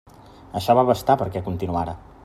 Això va bastar perquè continuara.